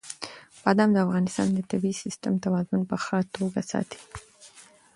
بادام د افغانستان د طبعي سیسټم توازن په ښه توګه ساتي.